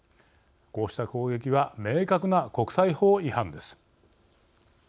こうした攻撃は明確な国際法違反です。